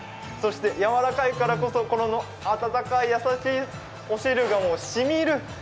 そしてやわらかいからこそのあたたかい優しいお汁がしみる。